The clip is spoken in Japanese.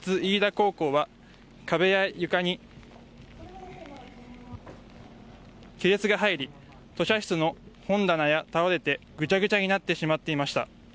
高校は壁や床に亀裂が入り図書室の本棚が倒れてぐちゃぐちゃになってしまっていました。